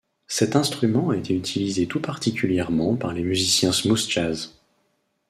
Cet instrument a été utilisé tout particulièrement par les musiciens smooth jazz.